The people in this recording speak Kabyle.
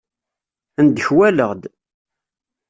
Ndekwaleɣ-d.